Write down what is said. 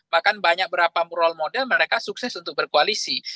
bahkan banyak berapa moral model mereka sukses untuk berkoalisi